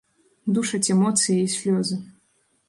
Душаць эмоцыі і слёзы.